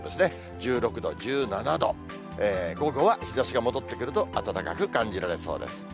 １６度、１７度、午後は日ざしが戻ってくると、暖かく感じられそうです。